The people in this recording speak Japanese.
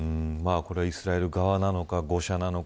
イスラエル側なのか誤射なのか。